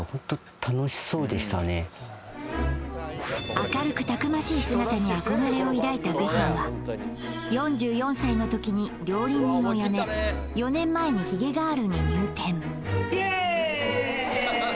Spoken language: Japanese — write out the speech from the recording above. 明るくたくましい姿に憧れを抱いたごはんは４４歳のときに料理人を辞め４年前にひげガールに入店イエーイ！